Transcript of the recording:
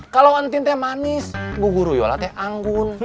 kalau entin teh manis bu guru yola teh anggun